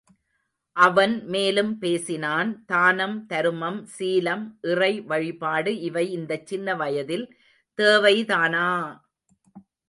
அவன் மேலும் பேசினான், தானம், தருமம், சீலம், இறைவழிபாடு இவை இந்தச் சின்னவயதில் தேவைதானா!